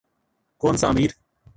کون سا امیر۔